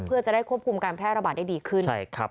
เพื่อจะได้ควบคุมการแพร่ระบาดได้ดีขึ้น